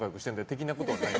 的なことは。